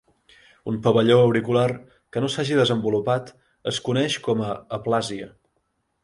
Un pavelló auricular que no s'hagi desenvolupat es coneix com a aplàsia.